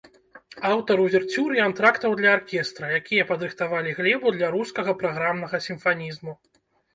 Аўтар уверцюр і антрактаў для аркестра, якія падрыхтавалі глебу для рускага праграмнага сімфанізму.